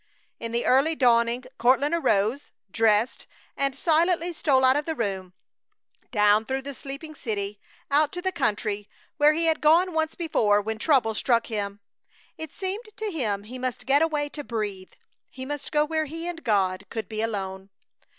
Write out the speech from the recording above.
In the early dawning Courtland arose, dressed, and silently stole out of the room, down through the sleeping city, out to the country, where he had gone once before when trouble struck him. It seemed to him he must get away to breathe, he must go where he and God could be alone.